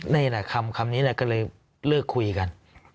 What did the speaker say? นี่แหละคำนี้แหละก็เลยเลิกคุยกัน